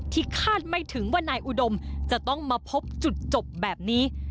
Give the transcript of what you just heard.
คาดไม่ถึงว่านายอุดมจะต้องมาพบจุดจบแบบนี้